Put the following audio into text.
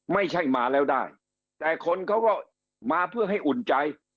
ไม่ใช่มาแล้วได้แต่คนเขาก็มาเพื่อให้อุ่นใจ